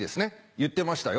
言ってましたよ